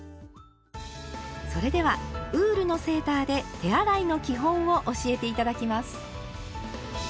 それではウールのセーターで手洗いの基本を教えて頂きます。